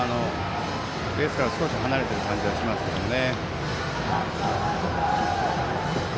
ベースから、少し離れている感じはしますけどね。